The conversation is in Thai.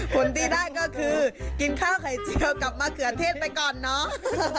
ผลที่ได้ก็คือกินข้าวไข่เจียวกับมะเขือเทศไปก่อนเนาะ